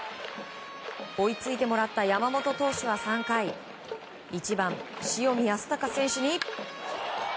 追いついてもらった山本投手は３回１番、塩見泰隆選手に。